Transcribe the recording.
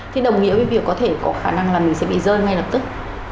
thì đồng nghĩa với việc có thể có khả năng là mình sẽ bị rơi ngay lập tức